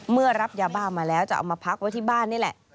รับยาบ้ามาแล้วจะเอามาพักไว้ที่บ้านนี่แหละ